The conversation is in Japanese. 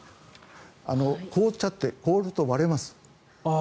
凍っちゃって、凍ると割れます。